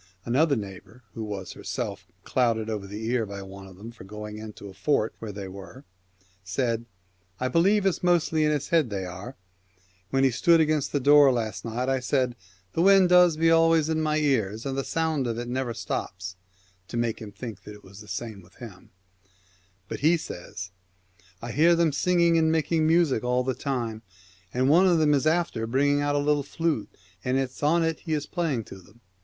Another neighbour, who was herself 'clouted over the ear' by one of them for going into a fort where they were, said, ' I believe it's mostly in his head they are ; and when he stood in the door last night I said, " The wind does be always in my ears, and the sound of it never stops," to make him think it was the same with him; but he says, " I hear them sing 197 ing and making music all the time, and one of them is after bringing out a little flute, and it's on it he's playing to them."